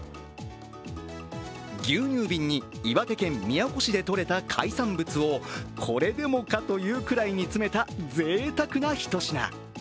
牛乳瓶に岩手県宮古市でとれた海産物をこれでもかというくらいに詰めた、ぜいたくな一品。